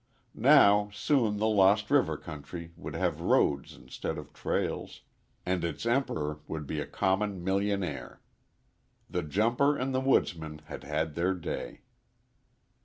Now, soon, the Lost River country would have roads instead of trails, and its emperor would be a common millionaire. The jumper and the woodsman had had their day.